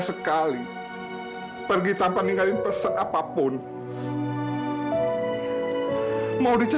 sampai jumpa di video selanjutnya